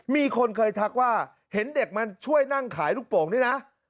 มีคนเคยทักว่าเห็นเด็กมาช่วยนั่งขายลูกโป่งนี่นะ